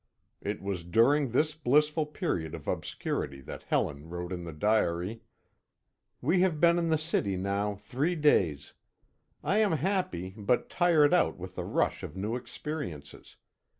It was during this blissful period of obscurity that Helen wrote in the diary: We have been in the city now three days. I am happy, but tired out with a rush of new experiences.